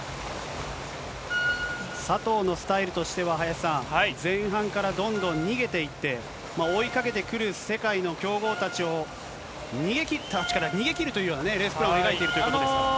佐藤のスタイルとしては、林さん、前半からどんどん逃げていって、追いかけてくる世界の強豪たちを逃げ切った、逃げ切るというレースプランを描いているということですけれども。